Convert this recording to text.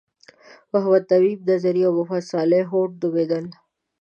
محمد نعیم نظري او محمد صالح هوډ نومیدل.